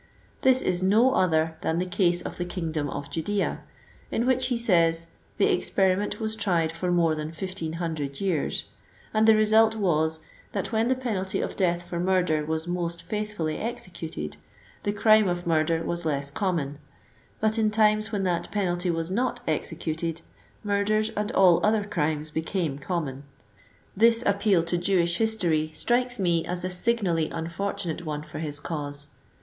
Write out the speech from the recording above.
This is no other than the case of the kingdom of Judea, in which he says *Uhe experiment was tried for more than 1500 years ; and the result was, that when the penalty of death for murder was most faith fully executed, the crime of murder was less common ; but ip times when that penalty was not executed, murders and all other crimes became common." This appeal to Jewish history strikes me as a signally un fortunate one for his cause.